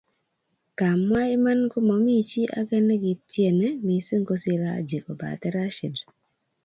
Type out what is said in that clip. kawmwa iman ko momii chi age nikitieni mising kosir Haji kobate Rashid